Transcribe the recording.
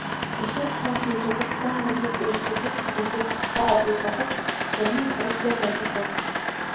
Ихэнх сүм хийдүүдэд зан үйлийг үйлдүүлэх тарифыг тогтоогоогүй боловч зарим нь тарифтай байдаг байна.